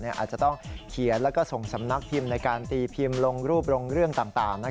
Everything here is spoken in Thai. อาจจะต้องเขียนแล้วก็ส่งสำนักพิมพ์ในการตีพิมพ์ลงรูปลงเรื่องต่าง